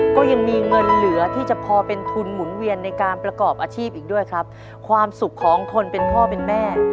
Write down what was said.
ก็ยังมีเงินเหลือที่จะพอเป็นทุนหมุนเวียนในการประกอบอาชีพอีกด้วยครับความสุขของคนเป็นพ่อเป็นแม่